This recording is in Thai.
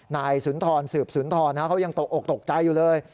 นายสุนทรสืบสุนทรเขายังตกอกตกใจอยู่เลย